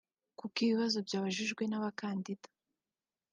kuko ibibazo byabajijwe n’abakandida